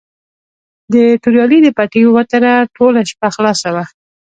د توریالي د پټي وتره ټوله شپه خلاصه وه.